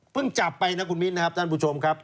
ก็จับไปนะคุณมิทท่านผู้ชมครับ